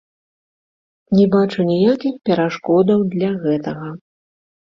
Не бачу ніякіх перашкодаў для гэтага.